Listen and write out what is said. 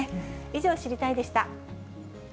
以上、知りたいッ！でした。